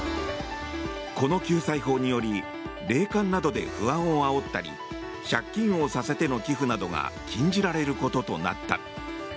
この救済法により霊感などで不安をあおったり借金をさせての寄付などが禁じられることとなった。